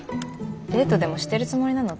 デートでもしてるつもりなの？